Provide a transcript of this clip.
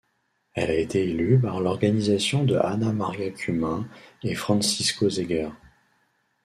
Elle a été élue par l'organisation de Ana Maria Cummins et Francisco Zegers.